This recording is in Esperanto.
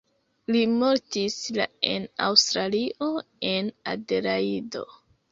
Li mortis la en Aŭstralio en Adelajdo.